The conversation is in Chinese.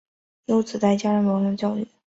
有子戴槚任儒学教谕。